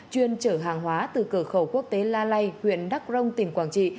chuyên chở hàng hóa từ cửa khẩu quốc tế la lây huyện đắk rông tỉnh quảng trị